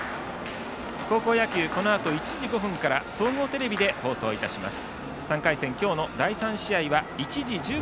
高校野球、このあと１時５分から総合テレビで放送します。